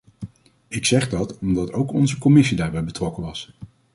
Ik zeg dat omdat ook onze commissie daarbij betrokken was.